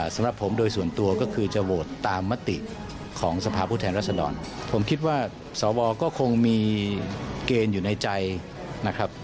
สำหรับผมโดยส่วนตัวก็คือจะโหวตตามมติของสภาพผู้แทนรัศดรผมคิดว่าสวก็คงมีเกณฑ์อยู่ในใจนะครับ